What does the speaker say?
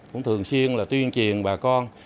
cũng thường xuyên tuyên truyền bà con